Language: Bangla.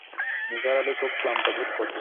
নিসার আলি খুব ক্লান্ত বোধ করছেন।